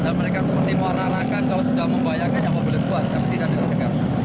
dan mereka seperti mau arahkan kalau sudah membayangkan yang mobilnya buat tapi tidak dipersegah